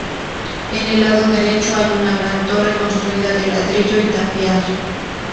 En el lado derecho, hay una gran torre construida de ladrillo y tapial.